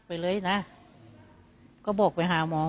ประชุ่ม